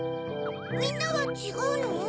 みんなはちがうの？